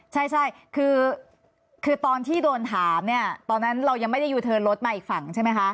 ใช่คือตอนที่โดนถามเนี่ยตอนนั้นเรายังไม่ได้ยูเทิร์นรถมาอีกฝั่งใช่ไหมคะ